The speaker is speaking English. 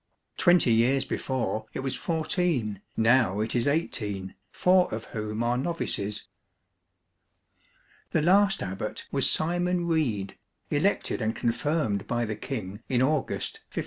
Twenty years before it was fourteen, row it Is eighteen, four of whom are novices. The last abbot was Simon Rede, elected and confirmed by the King in August, 1523.